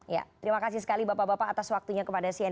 ya terima kasih sekali bapak bapak atas waktunya kepada cnn